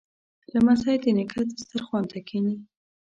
لمسی د نیکه دسترخوان ته کیني.